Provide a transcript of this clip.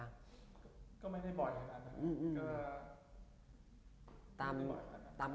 ก็ไม่ได้บ่อยเท่านั้นนะ